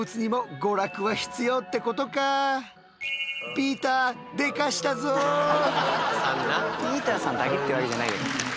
ピーターさんだけってわけじゃないけど。